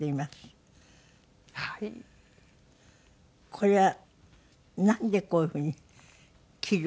これは何でこういうふうに切る。